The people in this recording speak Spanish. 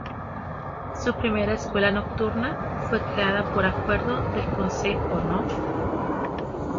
Su primera escuela nocturna fue creada por Acuerdo del Concejo No.